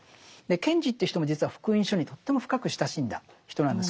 賢治っていう人も実は「福音書」にとても深く親しんだ人なんです